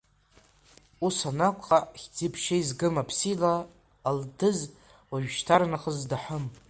Ус анакәха, хьӡи-ԥшеи згым аԥсилаа, Алдыз уажәшьҭарнахыс даҳым.